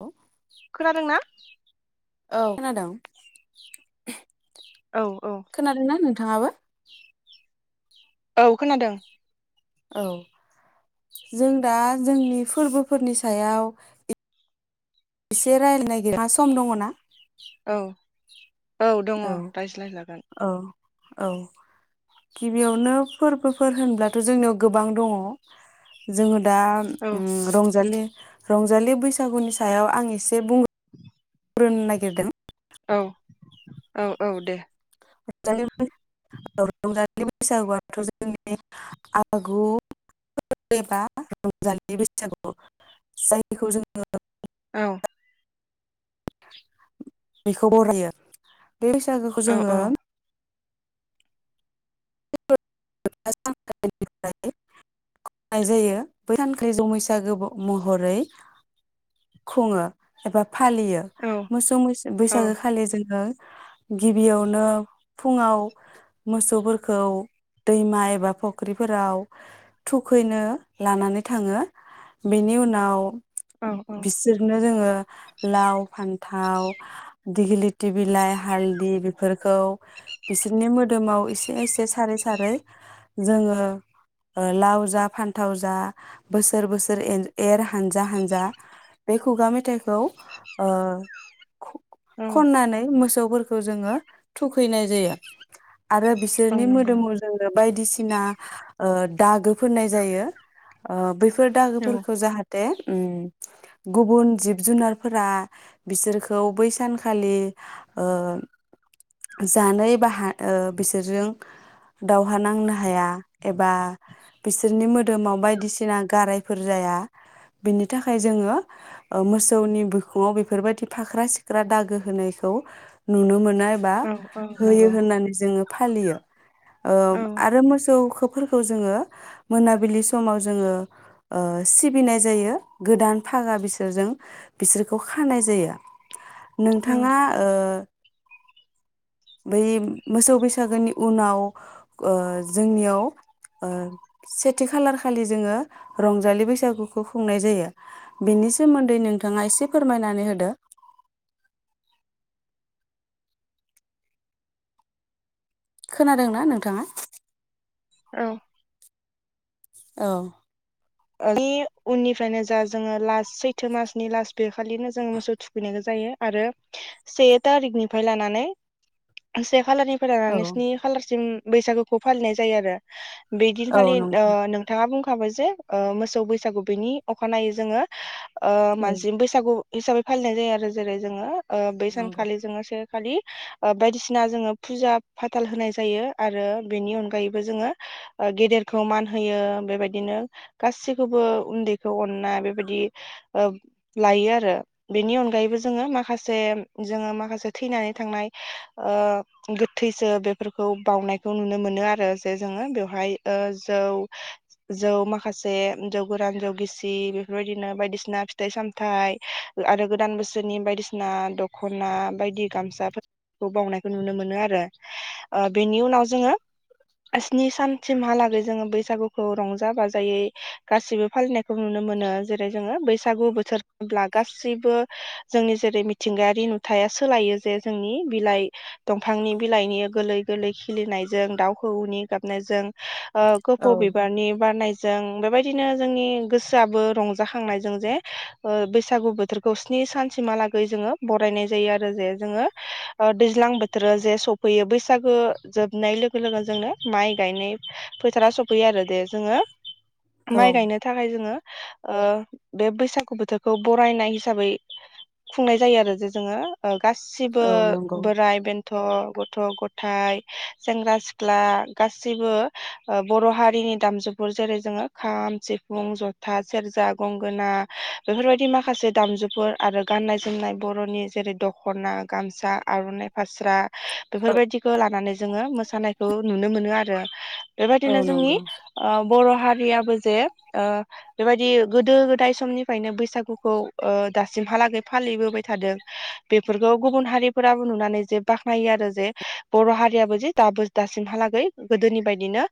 औे। खोनादोंना? खोनादोंं? औ औ खोनादोंना नोंथाङाबो? [unintelligible] औ खोनादों। औ जों दा जोंनि फोरबोफोरनि सायाव एसे रायज्लायनो नागिरो मा सम दङ ना? औ। औ दङ रायज्लायजागोन। औ औ गिबियावनो फोरबोफोर होनब्लाथ' जोंनियाव गोबां दङ जोङो दा औ उम्म रंजालि रंजालि बैसागुनि सायाव आं एसे बुं रुन नागिरदों औ। औ औ दे। [unintelligible] औ [unintelligible] बे बैसागुआथ' जोंनि आगु एबा रंजालि बैसागु जायखौ जोङो औ। बेखौ बरायो बे बैसागोखौ औ जोङो औ [inaudible] खुंनाय नाय जायो ब सानखालि जों बैसागो महरै खुङो एबा फालियो औ मोसौ औ बैसागो खालि जोङो गिबियावनो फुङाव मोसौफोर खौ दैमा एबा फुख्रिफोराव थुखैनो लानानै थाङो। बेनि उनाव औ बिसोरनो जोङो लाव फान्थाव दिगिलिथि बिलाइ हालदि बेफोरखौ बिसोरनि मोदोमाव एसे एसे एसे सारै सारै जोङो लाव जा फान्थाव जा बोसोर बोसोर एर हानजा हानजा बे खुगा मेथाइखौ ओ औ खननानै मोसौ फोरखौ जोङो थुखैनिय जायो। आरो औ बिसोरनि नंगौ मोदोमाव जोङो बायदिसिना ओ दागो फोननाय जायो ओ बेफोर फोर औ दाहोफोरखौ जाहाथे दे गुबुन जिब जुनारफोरा बिसोरखौ बै सानखालि ओ जानाय बा बिसोरजों दावहा नांनो हाया एबा बिसोरनि मोदोमाव बायदिसिना गारायफोर जाया बिनि थाखाय जोङो मोसौनि बिखुङाव बेफोरबायदि फाख्रा सिख्रा दागो होनायखौ नुनो मोनो। बा औ औ होयो नंगौ होननानै जोङो फालियो। औ आरो मोसौखोबो फोरखौ जोङो मोनाबिलि समाव जोङो ओ सिबिनाय जायो गोदान फागा बिसोरजों बिसोरखौ खानाय जायो नोंथाङा ओ बै मोसौ बेैस बैसागोनि उनाव ओ जोंनियाव ओ सेथि खालार खालि जोङो रंजालि बैसागुखौ खुंनाय जायो बेनि सोमोन्दै नोंथाङा एसे फोरमायनानै होदो खोनादोंना नोंथाङा औ औ [inaudible] उननिफ्रायनो जा जोङो लास सैथो मासनि लास बे खालिनो जोङो मोसौ थुखैनायबो जायो आरो से थारिखनिफ्राय लानानै [unintelligible] से खालारनिफ्राय औ लानानै स्नि खालारसिम बैसागुखौ फालिनाय जायो आरो‌। औ बेदिनखालि ओ नंगौ नोंथाङा बुं खाबाय जे ओ मोसौ बैसागु बेनि अखानायै जोङो ओ औ मानसिम बैसागु हिसाबै फालिनाय जायो आरो जेरै जोङो ओ बै सानखालि जोङो खालि ओ बायदिसिना जोङो फुजा फाथाल होनाय जायो आरो बेनि अनगायैबो जोङो ओ गेदेरखौ मान होयो बेबायदिनो गासिखौबो उन्दैखौ अननाय बेबायदि ओ लायो आरो बेनि अनगायैबो जोङो माखासे जोङो माखासे थैनानै थांनाय ओ गोथैसो बेफोरखौ बावउनायखौ नुनो मोनो आरो जे जोङो बेवहाय ओ जौ जौ मा माखासे जौ गोरान जौ गिसि बेफोरबायदिनो बायदिसिना फिथाइ सामथाइ ओ आरो गोदान बोसोरनि बायदिसिना दख'ना बायदि गामसाफोरखौ बावनायखौ नुनो मोनो आरो ओ बेनि उनाव जोङो स्नि सानसिमहालागै जोङो बैसागुखौ रंजा बाजा जायै गासिबो फालिनायखौ नुनो मोनो जेरै जोङो बैसागु बोथोर होनब्ला गासैबो जोंनि जेरै मिथिंगायारि नुथाया सोलायो जे जोंनि बिलाइ दंफांनि बिलाइनि गोलै गोरलै खिलिनायजों दाउ खौवौनि गाबनायजों ओ खोफौ औ बिबारनि बारनाय जों बेबायदिनो जोंनि गोसोआबो रंजाखांनायजों जे ओ बैसागु बोथोरखौ स्नि सानसिमहालागै जोङो बरायनाय जायो आरो जे जोङो ओ दैज्लां बोथोरा जे सफैयो बैसागो जोबनाय लोगो लोगो जोंनो माइ गायनाय फोथारा सफैयो आरो जे जोङो औ माइ गायनो थाखाय जोङो ओ बे बैसाग गु बोथोरखौ बरायनाय हिसाबै [inaudible] खुंनाय जायो आरो जे जोङो ओ गासिबो औ नंगौ बोराय बेन [inaudible] गथ' गथाय सेंग्रा- सिख्ला गासिबो ओ बर' हारिनि दामजोब [inaudible] जेरै जोङो खाम सिफुं ज'था सेरजा गंगोना बेफोरबायदि माखासे दामजुफोर आरो गान्नाय जोमनाय बर'नि जेरै दख'ना गामसा आरननाइ फा स्रा [unintelligible] बेफोरबायदिखो लानानै जोङो मोसानायखौ नुनो मोनो आरो औ बेबायदिनो जोंनि नंगौ बर' हारियाबो जे ओ बेबायदि गोदो गोदाय समनिफ्रायनो बैसागुखौ ओ दासिमहालागै फालिबोबाय थादों बेफोरखौ गुबुन हारिफोराबो नुनानै जे बाख्नायो आरो जे बर' हारियाबो जे दाबो दासिमहालागै गोदोनि बायदिनो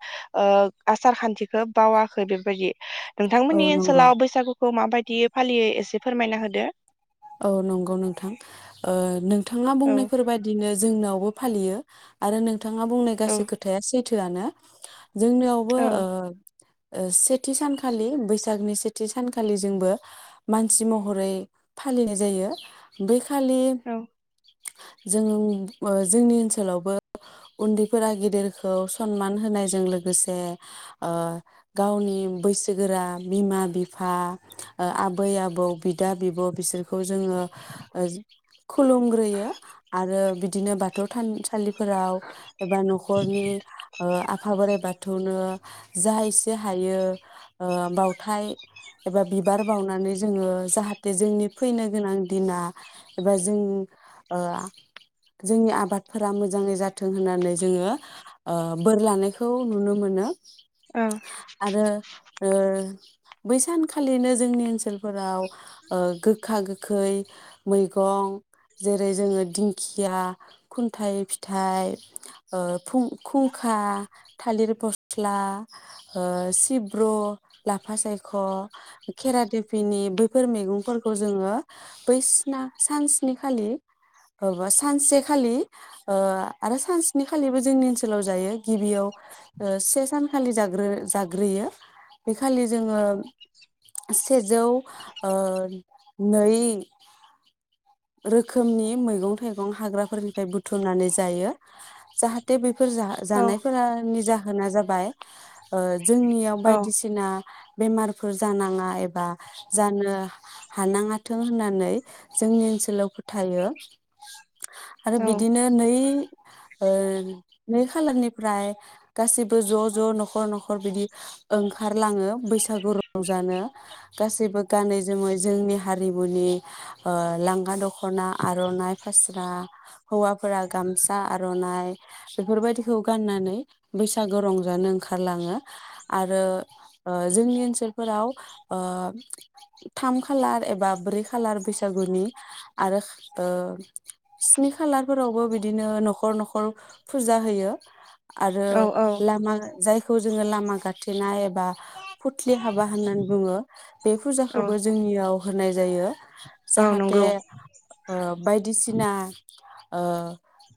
ओ आसार खान्थिखो बावाखो बेबायदि औ नोंथांमोननि नंगौ ओनसोलाव बैसागुखौ माबाय- दि फालियोै एसे फोरमायना होदो औ नंगौ नोंथां ओ नों नोंथाआ औ बुंनायफोर बायदिनो जोंनाव फालियो आरो नोंथाङा बुंनाय औ गासै खोथाया सैथो। सैथोआनो। जोंनियावबो औ ओ सेथि सानखालि बैसागनि सेथि सानखालि जोंबो मानसि महरै फालिनाय जायो। बै खालि औ जों जोंनि ओनसोलावबो उन्दैफोरा गेदेरखौ सनमान होनायजों लोगोसे गावनि बैसोगोरा बिमा, बिफा, आबै, आबौ, बिदा, बिब' बिसोरखौ जोङो खुलुमग्रोयो आरो बिदिनो बाथौ थानसालि फोराव एबा न'खरनि आफा बोराइ बाथौनो जा एसे हायो बावथाय एबा बिबार बावनानै जोङो जाहाथे जोंनि फैनो गोनां दिना एबा जों जोंनि आबादफोरा मोजाङै जाथों होननानै जोङो बोर लानायखौ नुनो मोनो। आरो ओ बैसानखालिनो जोंनि ओनसोलफोराव ओ - गोखा गोखै मैगं जेरै जोङो दिंखिया खुन्थाइ फिथाइ, खुंखा, थालिर फस्ला, सिब्रु, लाफा सायख', खेरा देफिनि बैफोर मैगं खौ जोङो बैसिना सान सनि खालि बा सानसेखालि आरो सान सनि खालिबो जोंनि ओनसोलाव जायो गिबियाव से सानखालि ज जाग्रोयो बे खालि जोङो सेजौ नै रोखोमनि मैगं थाइगं हाग्राफोरनिफ्राय बुथुमनानै जायो जाहाथे बे फोर जा औ जानायफोरा निजा। होना जाबाय ओ जोंनियाव बायदिसिना बेमारफोर जानाङा एबा जानो हानाङाथों होननानै जोंनि ओनसो सोलाव फोथायो आरो औ बिदिनो नै ओ नै खालारनिफ्राय गासिबो ज' ज' न'खर न'खर बिदि ओंखारलाङो बैस सागु रंजानो गासैबो गानै जोमै जोंनि हारिमुनि ओ लां गा दख'ना आर'नाइ फास्रा हौवाफोरा गामसा आर'नाइ बेफोर बायदिखौ गाननानै बैसागु रंजानो ओंखारलाङो आरो ओ जोंनि ओनसोलफोराव ओ थाम खालार एबा ब्रै खालार बैसागुनि आरो ओ स्नि खालारफोरावबो बिदिनो न'खर न'खर फुजा होयो। आरो औ लामा जायखौ जोङो लामा गाथेनाय बा फुथलि हाबा होननानै बुङो बे औ फुजाखौबो जोंनियाव होनाय जायो। औ जाहाथ दे नंगौ ओ बायदिसिना ओ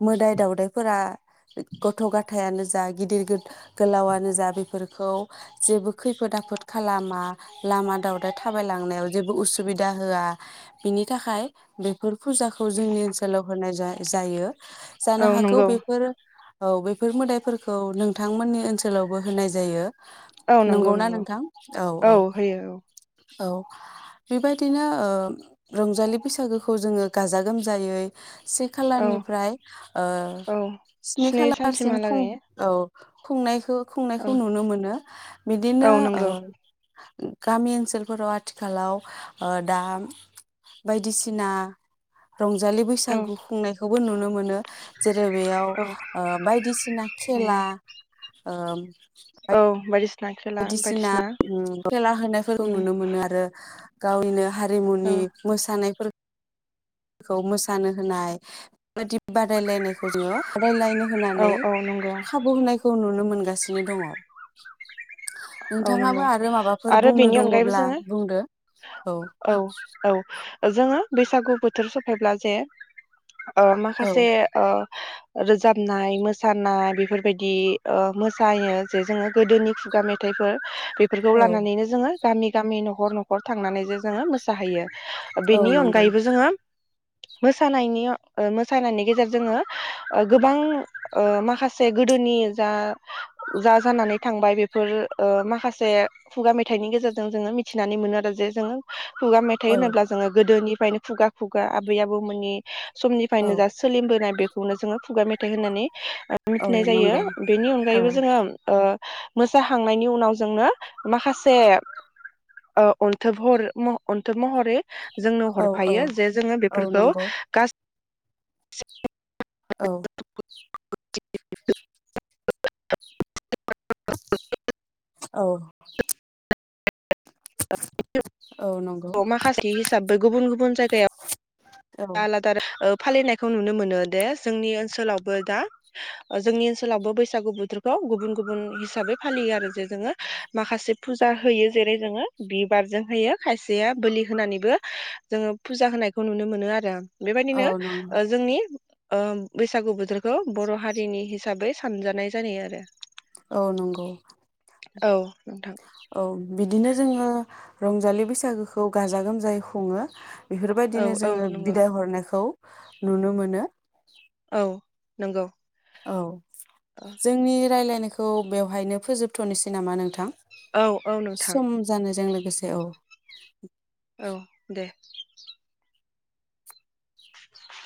मोदाय दावदायफोरा गथ' गथायानो जा गिदिर गो गोलावानो जा बेफोरखौ जेबो खैफोद आफोद खालामा लामा दावदाय थाबायलांनायाव जेबो उसुबिदा होआ बिनि थाखाय बेफोर फुजाखौ जोंनि ओनसोलाव होनाय जा जायो जानो औ हागौ नंगौ बेफोर औ बेफोर मोदायफोरखौ नोंथांमोननि ओनसोलावबो होनाय जायो। औ नंगौ नंगौ औ होयो औ औ बेबायदिनो ओ रंजालि बैसागोखौ जोङो गाजा गोमजायै से औ खालारनिफ्राय ओ औ स्नि खालारसिम खुं औ खुंनायखो औ खुंनायखौ नुनो मोनो औ बिदिनो ओ नंगौ गामि ओनसोलफोराव आथिखालाव ओ दा बायदिसिना रंजालि औ बैसागु खुंनायखौ बो नुनो मोनो जेरै बेयाव औ ओ बायदिसिना नंगौ खेला ओम औ बायदिस बायदिसिना उम खेला होनायफोरखौ उम नुनो मोनो आरो गावनिनो हा औ रिमुनि मोसानायफोर खौ मोसानो होनाय बेबायदि बादायलायनायखौ जोङो रायलायनो औ होनानै औ नंगौ खाबु होनायखौ नुनो मोन गासिनो दङ औ नोंथाङाबो नंगौ आरो माबाफोर आरो बुंनो बेनि अनगायैबो दङब्ला जोङो बुंदो औ। औ जोङो बैसागु बोथोर सफैब्ला जे ओ औ माखासे ओ रोजाबनाय मोसानाय बेफोरबायदि ओ मोसायो जे जोङो गोदोनि खुगा मे थायफोर बेफोरखौ लानानैनो जोङो गामि गामि न'खर न'खर थांनानै जे जोङो मोसाहैयो। औ बेनि नंगौ अनगायैबो जोङो मोसानायनि ओ मोसानायनि गेजेरजोंङो गोबां माखासे गोदोनि जा जा जानानै थांबाय बेफोर ओ माखासे खुगा मेथाइनि गेजेरजों जोङो मिथिनानै मोनो आरो जे जोङो खुगा मेथाइ औ होनोब्ला जोङो गोदोनि फ्रायनो खुगा खुगा आबै आबौमोननि औ समनिफ्रायनो जा सोलिबोनाय बेखौनो जोङो खुगा मेथ थाइ होननानै ओ औ मिथिनाय जायो नंगौ बेनि औ अनगायैबो जोङो ओ मोसा खांनायनि उनाव जोंनो माखासे ओ अन्थोब हर मह' अन्थोब महरै जोंनो औ औ हरफायो जे जोङो औ बेफोरखौ नंगौ गास [unintelligible] औ [unintelligible] औ। औ नंगौ [unintelligible] माखासे हिसाबै गुबुन गुबुन जायगायाव औ जाला थार ओ फालिनायखौ नुनो मोनो दे जोंनि ओनसोलावबो दा जोंनि ओनसोलावबो बैसागु बोथोरखौ गुबुन गुबुन हिसाबै फालियो आरो जे जोङो माखासे फुजा होयो जेरै जोङो बिबारजों होयो खायसेया बोलि होनानैबो जोङो फुजा होनायखौ नुनो मोनो आ रो। औ बेबायदिनो नंगौ ओ जोंनि ओ बैसागु बोथोरखौ बर' हारिनि हिसाबै सानजानाय जानाय आरो। औ नंगौ औ नोंथां औ बिदिनो जोङो रंजालि बैसागोखौ गाजा गोमजायै खुङो। औ बेफोरबायदिनो औ जोङो नंगौ बिदाय हरनायखौ नुनो मोनो। औ नंगौ। औ। जोंनि रायलाय नोखौ बेवहायनो फोजोबथ'नोसै नामा नोंथां? औ औ नोंथां। गोसे औ औ दे। [inaudible]